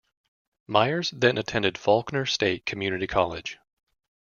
Myers then attended Faulkner State Community College.